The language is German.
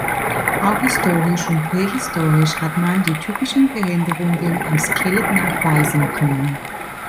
Auch historisch und prähistorisch hat man die typischen Veränderungen am Skelett nachweisen können.